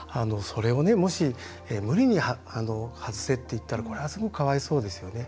それをもし無理に外せって言ったら、これはすごいかわいそうですよね。